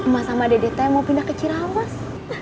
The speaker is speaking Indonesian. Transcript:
mas sama dede t mau pindah ke cireawas